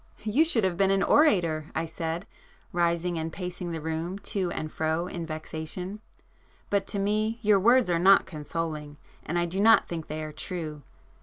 "You should have been an orator,"—I said, rising and pacing the room to and fro in vexation,—"But to me your words are not consoling, and I do not think they are true.